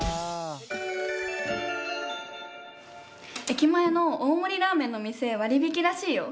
駅前の大盛りラーメンの店割引きらしいよ！